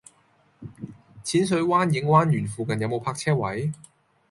淺水灣影灣園附近有無泊車位？